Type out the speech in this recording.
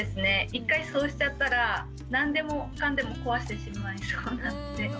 一回そうしちゃったら何でもかんでも壊してしまいそうなので。